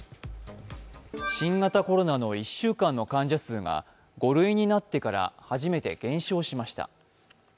新型コロナの１週間の患者数が５類になってから初めて減少しました。